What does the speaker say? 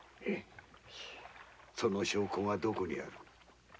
証拠がどこにある？